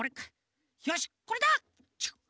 よしこれだ！